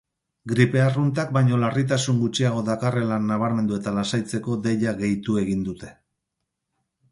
Gripe arruntak baino larritasun gutxiago dakarrela nabarmendu eta lasaitzeko deia gehitu egin dute.